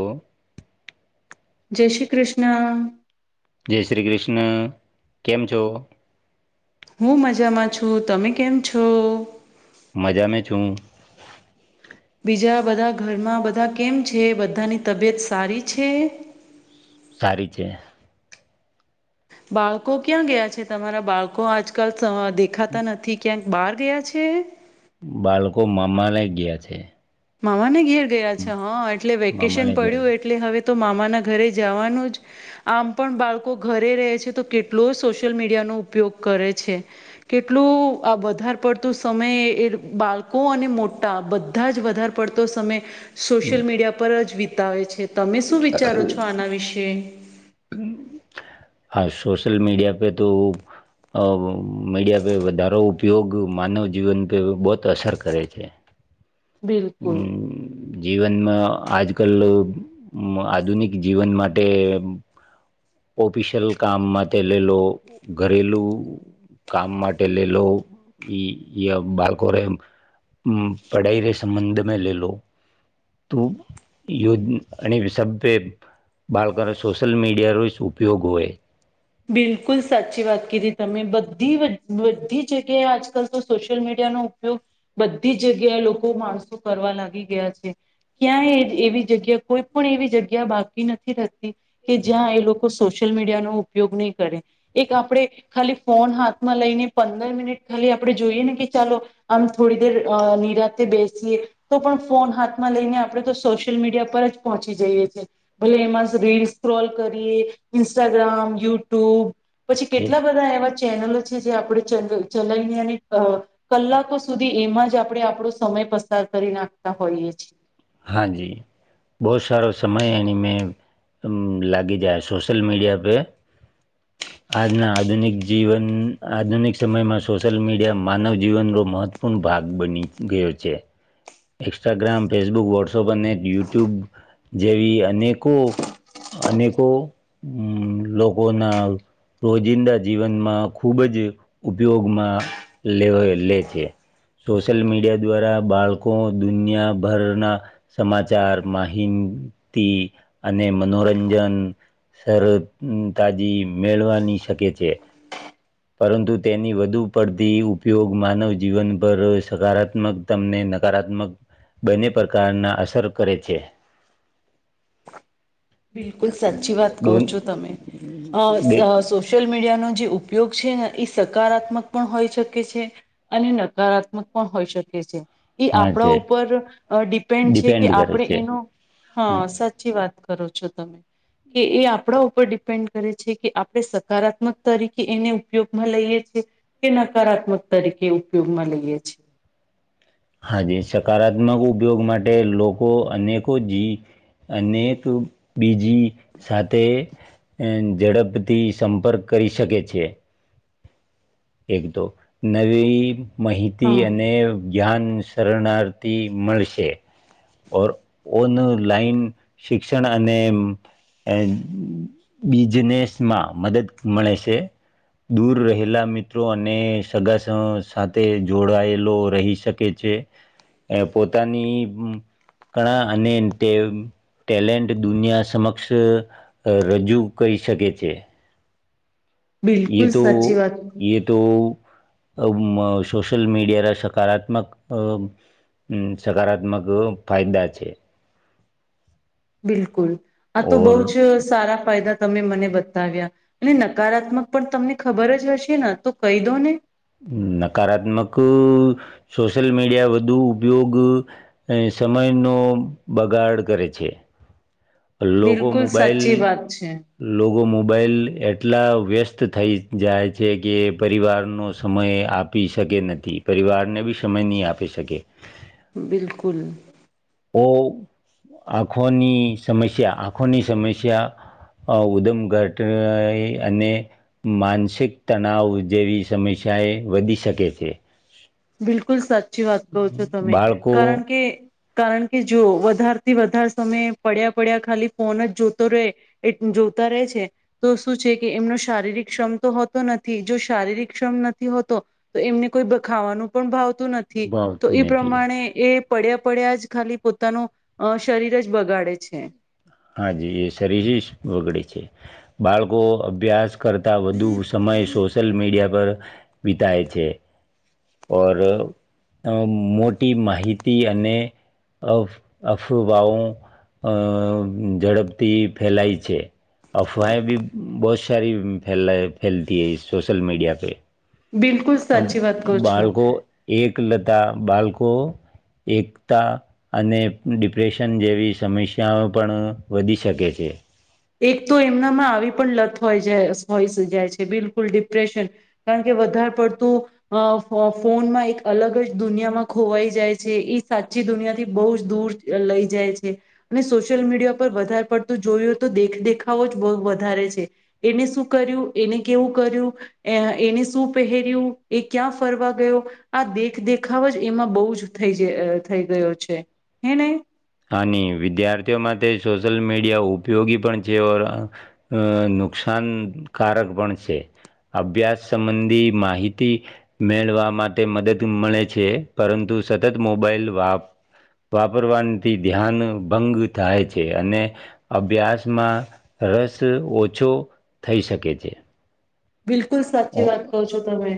ઓ જય શ્રી કૃષ્ણ જય શ્રી કૃષ્ણ કેમ છો હું મજામાં છું તમે કેમ છો મજામે છું બીજા બધા ઘરમાં બધા કેમ છે બધાની તબિયત સારી છે સારી છે બાળકો ક્યાં ગયા છે તમારા બાળકો આજકાલ સ દેખાતા નથી ક્યાં બહાર ગયા છે બાળકો મામા લઈ ગયા છે મામાને ઘેર ગયા છે હા એટલે મામા વેકેશન લઈ ગયા પડ્યું એટલે હવે તો મામાના ઘરે જવાનું જ આમ પણ બાળકો ઘરે રહે છે તો કેટલો સોશિયલ મીડિયાનો ઉપયોગ કરે છે કેટલું આ વધાર પડતું સમય એ બાળકો અને મોટા બધા જ વધાર પડતો સમય સોશિયલ મીડિયા પર જ વિતાવે છે તમે શું વિચારો છો આના વિશે હા સોશલ મીડિયા પે તો અ મીડિયા પે વધારો ઉપયોગ માનવ જીવન પે બોત અસર કરે છે બિલકુલ જીવનમાં આજ કલ લોગ આધુનિક જીવન માટે ઓફિશિયલ કામમાં તે લલો ઘરેલું કામ માટે લેલો ઈ એ બાળકોને હમ પડાઈ કે સંબંધ મે લે લો તું યોજ અને [unintelligible] બાળકોને સોશિયલ મીડિયાનો જ ઉપયોગ હોય બિલકુલ સાચી વાત કીધી તમે બધી બધી જગ્યાએ આજકાલ તો સોશિયલ મીડિયા નો ઉપયોગ બધી જગ્યાએ લોકો માણસો કરવા લાગી ગયા છે ક્યાં એ એવી જગ્યા કોઈ પણ એવી જગ્યા બાકી નથી થતી કે જ્યાં એ લોકો સોશિયલ મીડિયા નો ઉપયોગ ની કરે એક આપણે ખાલી ફોન હાથમાં લઈને પંદર મિનિટ ખાલી આપણે જોઈએ ને કે ચાલો અન થોડી દેર અ નિરાતે બેસીએ તો પણ ફોન હાથમાં લઈને આપણે તો સોશિયલ મીડિયા પર જ પહોંચી જઈએ છીએ ભલે એમાં રીલ સ્ક્રોલ કરીએ ઇન્સ્ટાગ્રામ યુટ્યુબ પછી કેટલા બધા એવા ચેનલો છે જે આપણે ચ ચલાવીને અને અ કલાકો સુધી એમાં જ આપણે આપણો સમય પસાર કરી નાખતા હોઈએ છીએ હા જી બહુ સારો સમય એણી મે અ લાગી જાય સોશલ મીડિયા પે આજના આધુનિક જીવન આધુનિક સમયમાં સોશિયલ મીડિયા માનવ જીવનનું મહત્ત પણૂ ભાગ બની ગયો છે ઇન્સ્ટાગ્રામ ફેસબુક વોટ્સઅપ અને યુટ્યુબ જેવી અનેકો અનેકો લોગો ના રોજિંદા જીવનમાં ખૂબ જ ઉપયોગમાં લેવા લે છે સોશિયલ મીડિયા દ્વારા બાળકો દુનિયાભરના સમાચાર માહિતી અને મનોરંજન શરો તાજી મેળવાની શકે છે પરંતુ તેની વધુ પડતી ઉપયોગ માનવ જીવન પર સકારાત્મક તમને નકારાત્મક બંને પ્રકારના અસર કરે છે [inaudible] બિલકુલ સાચી વાત કહો છો તમે અ અ બે સો સોસીયલ મીડિયાનો જે ઉપયોગ છે ને એ સકારાત્મક પણ હોઈ શકે છે અને નકારાત્મક પણ હોઈ શકે છે એ હા છે આપણા ઉપર અ ડિપેન્ડ છે કે કરે આપણે છે એનો હ સાચી વાત કરો છો તમે કે એ આપણા ઉપર ડિપેન્ડ કરે છે કે આપણે સકારાત્મક તરીકે એને ઉપયોગમાં લઈએ છે કે નકારાત્મક તરીકે ઉપયોગમાં લઈએ છે હા જે સકારાત્મક ઉપયોગ માટે લોકો અનેકો જ અનેક બીજી સાથે ઝડપથી સંપર્ક કરી શકે છે એક દો નવી માહિતી હા અને ગ્યાન શરણાર્થી મળશે ઓ ઓન લાઈન શિક્ષણ અને બિઝનેસમાં મદદ મળે છે દૂર રહેલા મિત્ર- - મિત્રો અને સગ સાથે જોડાયેલો રહી શકે છે. એ પોતાની કણા અને તે- - ટેલેન્ટ દુનિયા સમક્ષ રજૂ કરી શકે છે. બિલકુલ એતો સાચી વાત એતો- - સોશિયલ મીડિયાના સકારાત્મક- - સકારાત્મક ફાયદા છે. બિલકુલ આ તો બહુ ઓર જ સારા ફાયદા- - તમે મને બતાવ્યા અને નકારાત્મક પણ તમને ખબર જ હશે ને તો કહી દો ને? નકારાત્મક સોશિયલ મીડિયા વધુ ઉપયોગ- - એ સમયનો બગાડ કરે છે. લોકો બિલકુલ સાચી મોબાઈલ- વાત છે - લોકો મોબાઈલ એટલા વ્યસ્ત થઈ જાય છે કે પરિવારનો સમય આપ- - પી શકે નથી પરિવારને બી સમય નહીં આપી શકે. બિલકુલ ઓ આંખોની સમસ્યા આંખોની સમસ્યા- - ઉધમઘટ અને- - માનસિક તણાવ જેવી સમસ્યાએ વધી શકે છે. બિલકુલ સાચી વાત કહો છો તમે બાળકો કારણ કે- - કારણ કે જો વધાર થી વધારે સમય પડ્યા પડ્યા ખાલી ફોન જ જોતો રહે- - એટ જોતા રહે છે. તો શું છે કે એમનો શારીરિક ક્ષમ તો હોતો નથી જો શારીરિક ક્ષમ નથી હોતો. તો એમને કોઈ બ ખાવાનું પણ ભાવતું નથી તો ભાવતું એ નથી પ્રમાણે એ- - પડ્યા પડ્યા જ ખાલી પોતાનું અ શરીર જ બગાડે છે. હા જ એ શરીરી બગડે છે બાળકો અભ્યાસ- - કરતાં વધુ સમય સોશિયલ મીડિયા પર વિતાય છે. પર મોટી માહિતી અને- - અ અફુવાઓ અ ઝડપથી ફેલાય છે. અફવાહે ભી બહુ સારી ફેલા ફેલતીએ સોશિયલ મીડિયા પે બિલકુલ. સાચી વાત કહો છો બાળકો એકલતા બાળકો એકતા- - અને ડિપ્રેશન જેવી સમસ્યાઓ પણ વધી શકે છે. એક તો એમનામાં આવી પણ લત હોય જાય હોય જાય છે બિલકુલ ડિપ્રેશન કારણ કે વધારે પડતું અ ફોનમાં એક અલગ જ દુનિયામાં ખોવાઈ જાય છે એ સાચી દુનિયાથી બહુ જ દૂર લઈ જાય છે અને સોશિયલ મીડિયા પર વધારે પડતું જોયું તો દેખદેખાવો જ બહું વધારે છે એને શું કર્યું એને કેવું કર્યું એ એને શું પહેર્યું એ ક્યાં ફરવા ગયો આ દેખ દેખાવ જ એમાં બહુ જ થઈ જ થઈ ગયો છે એ ને આની વિદ્યાર્થીઓ માટે સોશિયલ મીડિયા ઉપયોગી પણ છે [unintelligible] અ નુકસાનકારક પણ છે. અભ્યાસ સંબંધી માહિતી મેળવા માટે મદદ મળે છે પરંતુ સતત મોબાઈલ વાપ વાપરવાથી ધ્યાન ભંગ થાય છે અને અભ્યાસમાં રસ ઓછો થઈ શકે છે. બિલકુલ ઓ સાચી વાત કહો છો તમે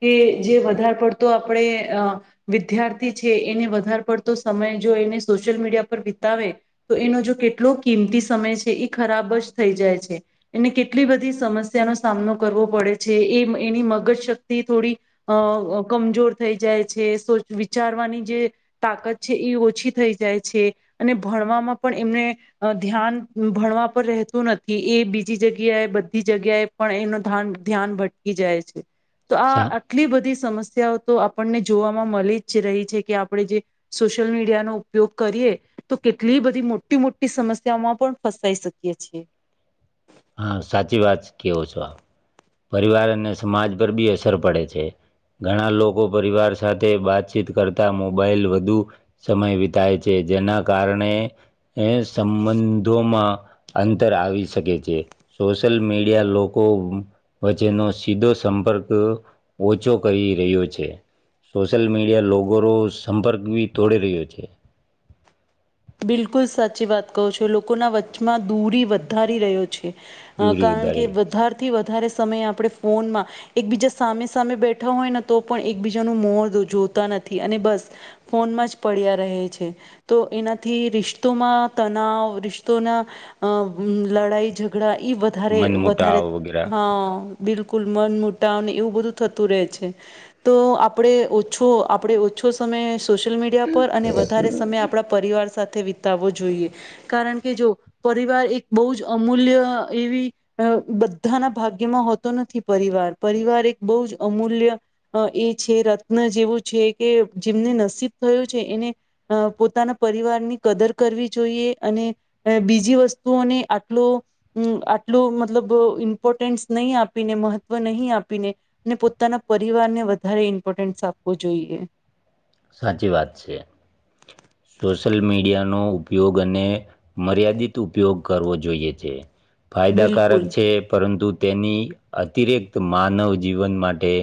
કે જે વધારે પડતો આપણે આ વિદ્યાર્થી છે એને વધારે પડતો સમય જો એને સોશિયલ મીડિયા પર વિતાવે તો એનો જો કેટલો કિંમતી સમય છે એ ખરાબ જ થઈ જાય છે. એને કેટલી બધી સમસ્યા નો સામનો કરવો પડે છે એ એની મગજ શક્તિ થોડી આ કમજોર થઈ જાય છે વિચારવાની જે તાકાત છે એ ઓછી થઈ જાય છે અને ભણવામાં પણ એમને ધ્યાન ભણવા પર રહેતું નથી એ બીજી જગ્યાએ બધી જગ્યાએ પણ એનો [unintelligible] ધ્યાન ભટકી જાય છે તો આ સા એટલી બધી સમસ્યાઓ તો આપણને જોવામાં મળી જ રહી છે કે આપણે જે સોશિયલ મીડિયાનો ઉપયોગ કરીએ તો કેટલી બધી મોટી મોટી સમસ્યાઓમાં પણ ફસાઈ શકીએ છીએ. હા સાચી વાત કેવો છો આ. પરિવાર અને સમાજ પર બી અસર પડે છે. ઘણા લોકો પરિવાર સાથે વાતચીત કરતા મોબાઈલ વધુ સમય વિતાય છે જેના કારણે સંબંધોમાં અંતર આવી શકે છે સોશિયલ મીડિયા લોકો વચ્ચેનો સીધો સંપર્ક ઓછો કરી રહ્યો છે. સોશિયલ મીડિયા લોગરો સંપર્ક બી તોડી રહ્યો છે. બિલકુલ સાચી વાત કહો છો લોકોના વચ્ચમાં દૂરી વધારી રહ્યો છે. દૂરી કારણ કે વધારે વધારેથી વધારે સમય આપણે ફોનમાં એકબીજા સામે સામે બેઠા હોય ન તો પણ એકબીજાનું મો જોતા નથી અને બસ ફોનમાં જ પડ્યા રહે છે તો એના થી રિશ્તોમાં તનાવ રિશ્તોના લડાઈ ઝઘડા ઈ બા વધારે મન વધારે મુટાવ વગેરે હા બિલકુલ મન મુટાવને એવું બધું થતું રહે છે. તો આપણે ઓછો આપણે ઓછો સમય સોશિયલ મીડિયા પર અને વધારે સમય આપણા પરિવાર સાથે વિતાવવો જોઈએ કારણ કે જો પરિવાર એક બહુ જ અમૂલ્ય એવી અ બધાના ભાગ્યમાં હોતો નથી પરિવાર પરિવાર એક બહુ જ અમૂલ્ય અ એ છે રત્ન જેવું છે કે જેમને નસીબ થયું છે એને અ પોતાના પરિવાર ની કદર કરવી જોઈએ અને બીજી વસ્તુઓને આટલો હમ્મ આટલું મતલબ ઇમ્પોર્ટન્સ નહીં આપીને મહત્ત્વ નહી આપીને ને પોતાના પરિવાર ને વધારે ઇમ્પોર્ટન્સ આપવો જોઈએ. સાચી વાત છે. સોશિયલ મીડિયાનો ઉપયોગ અને મર્યાદિત ઉપયોગ કરવો જોઈએ છે. ફાયદાકારક બિલકુલ છે પરંતુ તેની અતિરિકક્ત માનવ જીવન માટે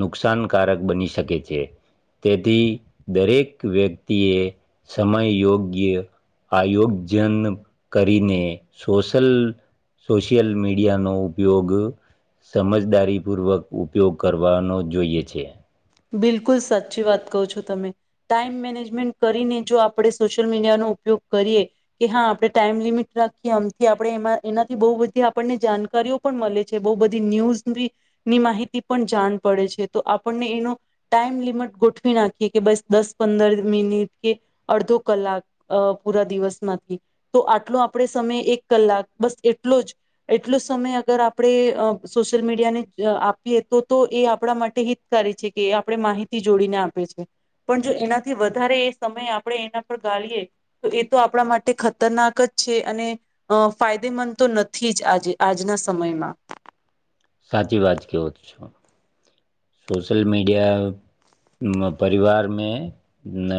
નુકસાનકારક બની શકે છે. તેથી દરેક વ્યક્તિએ સમયયોગ્ય આયોજન કરીને સોશલ સોશિયલ મીડિયાનો ઉપયોગ સમજદારીપૂર્વક ઉપયોગ કરવાનો જોઈએ છે. બિલકુલ સાચી વાત કહો છો તમે ટાઈમ મેનેજમેન્ટ કરીને જો આપણે સોશિયલ મીડિયાનો ઉપયોગ કરીએ કે હા આપણે ટાઈમ લિમિટ રાખીએ આમથી આપણે એ એનાથી બહુ બધી આપણને જાણકારીઓ પણ મળે છે બહ બધી ન્યૂઝ ની માહિતી પણ જાણ પડે છે તો આપણને એનો ટાઈમ લિમિટ ગોઠવી નાખીએ કે બસ દસ પંદર મિનિટ કે અડધો કલાક અ પૂરા દિવસ માંથી તો આટલો આપણેે સમય એક કલાક બસ એટલો જ એટલો સમય અગર આપણે સોશિયલ મીડિયા ને આપીએ તો તો એ આપણા માટે હિતકારી છે. કે આપણે માહિતી જોડીને આપે છે. પણ જો એનાથી વધારે એ સમય આપણે એના પર ગાળીએ તો એ તો આપણા માટે ખતરનાક જ છે અને અ ફાયદેમંદ તો નથી જ આજે આજના સમયમાં. સાચી વાત કે ઓ છો. સોશલ મીડિયા પરિવાર મે ને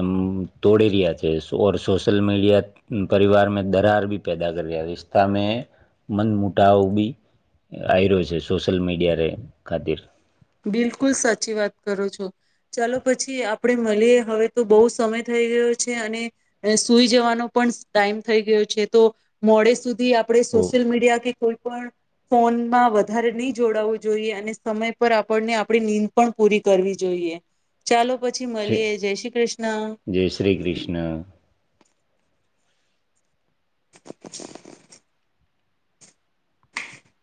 તોડે રહ્યા છે ઓર સોશલ મીડિયા પરિવાર મે દરાર ભી પેદા કર રહ્યા રિશતા મે મન મુટાવ બી આવી રહ્યો છે સોશિયલ મીડિયા રે ખાતીર. બિલકુલ સાચી વાત કરો છો. ચાલો પછી આપડે મળીએ હવે તો બહુ સમય થઈ ગયો છે અને ને સુઈ જવાનો પણ ટાઈમ થઈ ગયો છે તો મોડે સુધી આપડે ઓ સોશિયલ મીડિયા કે કોઈ પણ ફોનમાં વધારે નહી જોડાવવું જોઈએ અને સમય પર આપણને આપણી નીંદ પણ પૂરી કરવી જોઈએ. ચાલો પછી છે મળીએ જય શ્રી કૃષ્ણ. જય શ્રી કૃષ્ણ [inaudible] [inaudible]